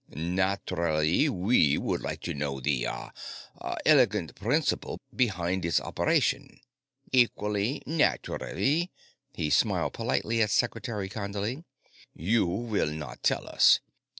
"Naturally, we would like to know the ... ah ... 'elegant' principle behind its operation. Equally naturally" he smiled politely at Secretary Condley "you will not tell us.